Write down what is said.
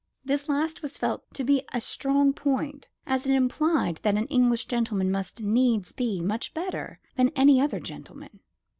This last was felt to be a strong point, as it implied that an English gentleman must needs be much better than any other gentleman.